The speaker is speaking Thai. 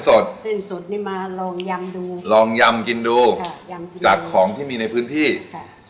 สดสิ้นสุดนี่มาลองยำดูลองยำกินดูค่ะยำดูจากของที่มีในพื้นที่ค่ะ